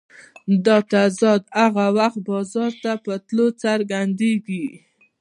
دا تضاد هغه وخت بازار ته په تلو څرګندېږي